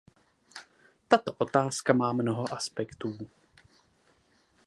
Tato otázka má mnoho aspektů.